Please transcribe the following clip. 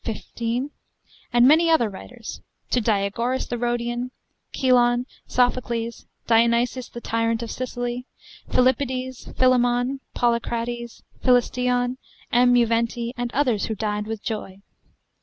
15, and many other writers, to Diagoras the Rhodian, Chilon, Sophocles, Dionysius the tyrant of Sicily, Philippides, Philemon, Polycrates, Philistion, M. Juventi, and others who died with joy.